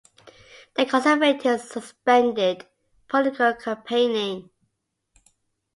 The Conservatives suspended political campaigning.